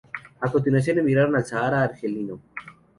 A continuación emigraron al Sahara argelino.